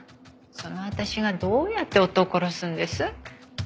その私がどうやって夫を殺すんです？